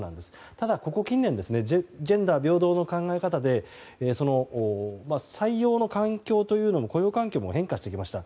ただ、ここ近年ジェンダー平等の考え方で採用の環境、雇用環境も変わってきました。